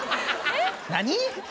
何？